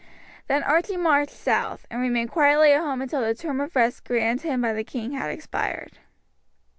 Then Archie marched south, and remained quietly at home until the term of rest granted him by the king had expired.